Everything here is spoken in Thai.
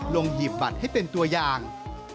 หีบบัตรให้เป็นตัวอย่าง